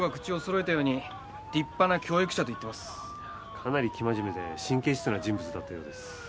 かなり生真面目で神経質な人物だったようです。